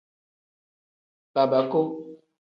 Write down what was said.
Babaku.